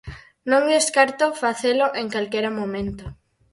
Non descarto facelo en calquera momento.